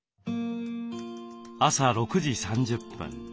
朝６時３０分。